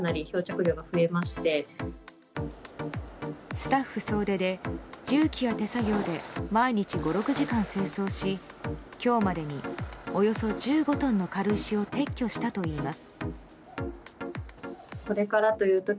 スタッフ総出で重機や手作業で毎日５６時間、清掃し今日までにおよそ１５トンの軽石を撤去したといいます。